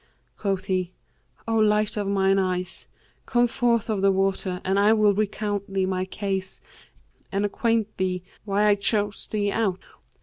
Quoth he, 'O light of mine eyes, come forth of the water, and I will recount thee my case and acquaint thee why I chose thee out.'